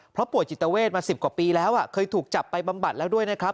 เพราะป่วยจิตเวทมา๑๐กว่าปีแล้วเคยถูกจับไปบำบัดแล้วด้วยนะครับ